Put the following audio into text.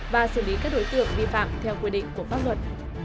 và xử lý các đối tượng vi phạm theo quy định của pháp luật